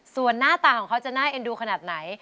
ส่วนหน้าตาของเขาจะน่าเอ็นดูขนาดไหน